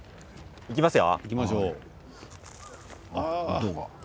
いきますよ。